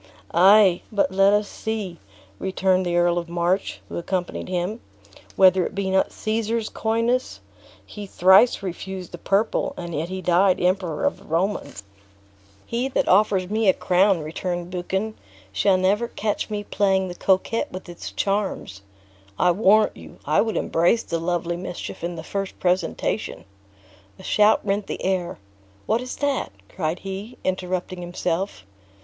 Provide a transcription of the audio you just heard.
"Ay, but let us see," returned the Earl of March, who accompanied him, "whether it be not Caesar's coyness; he thrice refused the purple, and yet he died Emperor of the Romans!" "He that offers me a crown," returned Buchan, "shall never catch me playing the coquette with its charms. I warrant you, I would embrace the lovely mischief in the first presentation." A shout rent the air. "What is that?" cried he, interrupting himself.